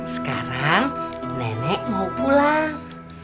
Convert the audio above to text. sekarang nenek mau pulang